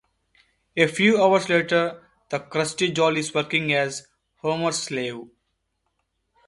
A few hours later, the Krusty doll is working as Homer's slave.